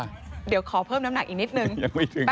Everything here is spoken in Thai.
เดี๋ยวขอเพิ่มน้ำหนักอีกนิดนึงยังไม่ถึง